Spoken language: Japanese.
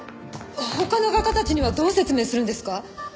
他の画家たちにはどう説明するんですか？